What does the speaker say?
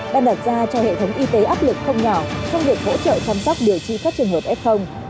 đang đặt ra cho hệ thống y tế áp lực không nhỏ trong việc hỗ trợ chăm sóc điều trị các trường hợp f